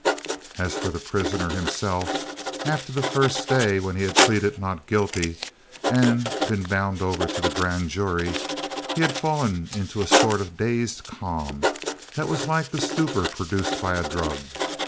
As for the prisoner himself, after the first day when he had pleaded "Not guilty" and been bound over to the Grand Jury, he had fallen into a sort of dazed calm that was like the stupor produced by a drug.